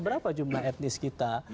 berapa jumlah etnis kita